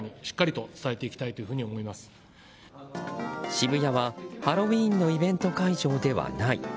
渋谷はハロウィーンのイベント会場ではない。